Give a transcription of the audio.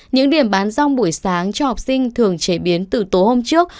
những điểm bán rong buổi sáng cho học sinh thường chế biến từ tối hôm trước